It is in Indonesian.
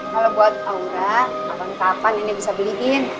kalau buat aura nanti nanti nenek bisa beliin